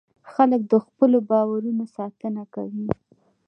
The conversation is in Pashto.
خلک د خپلو باورونو ساتنه کوي.